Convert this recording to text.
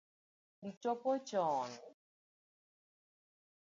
Ichopo choon?